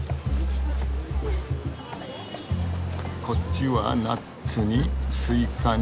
こっちはナッツにスイカに。